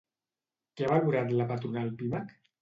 Què ha valorat la patronal Pimec?